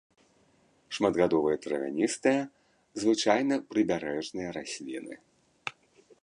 Шматгадовыя травяністыя, звычайна прыбярэжныя расліны.